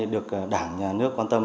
được đảng nhà nước quan tâm